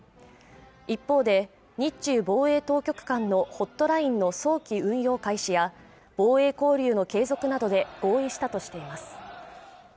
一方で日中防衛当局間のホットラインの早期運用開始や防衛交流の継続などで合意したとしています